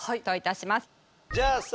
じゃあさ